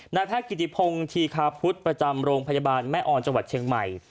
นายแพทย์กิติพงศ์ธีคาพุทธประจำโรงพยาบาลแม่ออนจังหวัดเชียงใหม่